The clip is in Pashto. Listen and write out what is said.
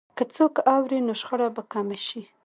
که څوک اوري، نو شخړه به کمه شي.